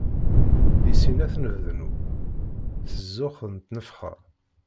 Di sin ad t-nebnu, s zzux d tnefxa.